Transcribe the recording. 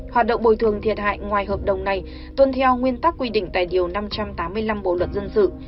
hoạt động bồi thường thiệt hại ngoài hợp đồng này tuân theo nguyên tắc quy định tại điều năm trăm tám mươi năm bộ luật dân sự